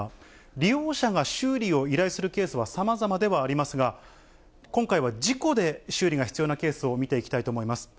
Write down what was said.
利用者が修理を依頼するケースはさまざまではありますが、今回は事故で修理が必要なケースを見ていきたいと思います。